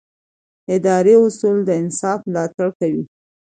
اداري اصول د انصاف ملاتړ کوي.